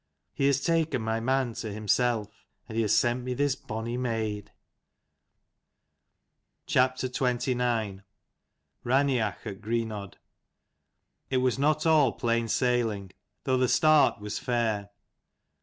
He has taken my man to himself, and he has sent me this bonny maid." 167 CHAPTER XXIX. RAINEACH AT GREENODD. house cats T was not all plain sailing, though the start was fair.